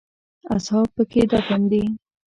اصحاب په کې دفن دي.